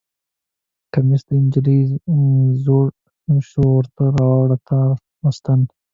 کمیس د نجلۍ زوړ شو ورته راوړه تار او ستن